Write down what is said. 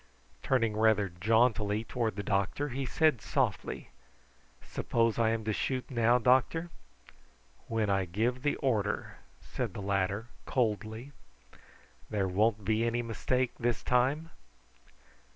Turning rather jauntily towards the doctor he said softly: "Suppose I am to shoot now, doctor?" "When I give the order," said the latter coldly. "There won't be any mistake this time?"